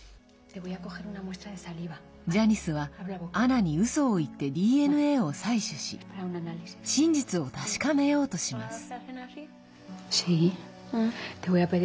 ジャニスは、アナにうそを言ってＤＮＡを採取し真実を確かめようとします。